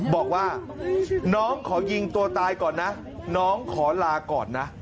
บอกว่าน้องขอยิงตัวตายก่อนนะน้องขอลาก่อนนะ